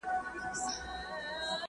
ماشومان زده کړه خوښوي.